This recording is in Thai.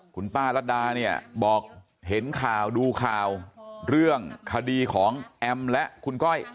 คุณป้ารัดดาเนี่ยบอกเห็นข่าวดูข่าวเรื่องคดีของแอมและคุณก้อย